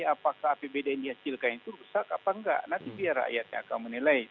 apakah apbd yang dihasilkan itu rusak apa enggak nanti biar rakyatnya akan menilai